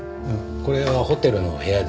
これはホテルの部屋ですかね？